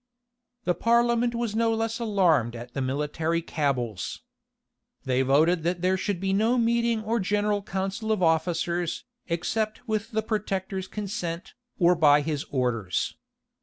The parliament was no less alarmed at the military cabals. They voted that there should be no meeting or general council of officers, except with the protector's consent, or by his orders.